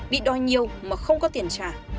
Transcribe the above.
bị đòi nhiều mà không có tiền trả